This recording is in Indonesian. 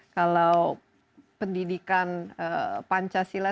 kalau pendidikan pancasila